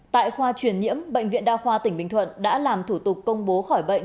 tại khoa chuyển nhiễm bệnh viện đa khoa tỉnh bình thuận đã làm thủ tục công bố khỏi bệnh